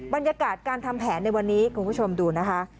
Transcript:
บรรยากาศการทำแผนในวันนี้คุณผู้ชมดูนะคะ